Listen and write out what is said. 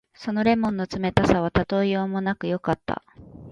その檸檬の冷たさはたとえようもなくよかった。